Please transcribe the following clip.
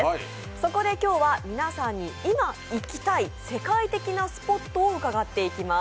そこで今日は皆さんに、今行きたい世界的なスポットを伺っていきます。